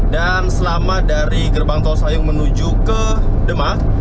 dan selama dari gerbang tol sayung menuju ke demak